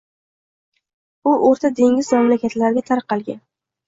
U Oʻrta dengiz mamlakatlariga tarqalgan.